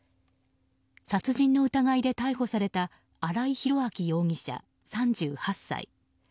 殺人の疑いで逮捕された新井裕昭容疑者、３８歳。